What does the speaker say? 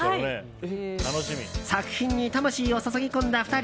作品に魂を注ぎ込んだ２人。